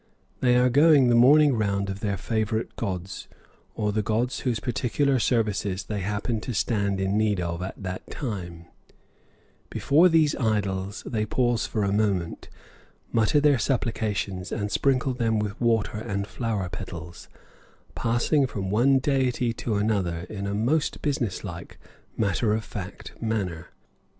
They are going the morning round of their favorite gods, or the gods whose particular services they happen to stand in need of at the time; before these idols they pause for a moment, mutter their supplications, and sprinkle them with water and flower petals, passing from one deity to another in a most business like, matter of fact manner.